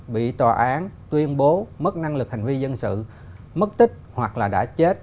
bị tòa án tuyên bố mất năng lực hành vi dân sự mất tích hoặc là đã chết